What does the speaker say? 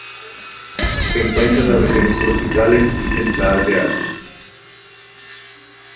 Se encuentra en las regiones tropicales y templadas de Asia.